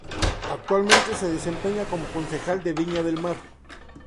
Actualmente se desempeña como concejal por Viña del Mar.